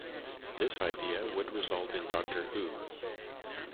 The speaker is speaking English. This idea would result in "Doctor Who".